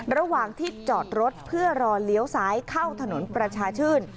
ระหว่างที่จอดรถเพื่อรอเลี้ยวซ้ายเข้าถนนประชาชื่น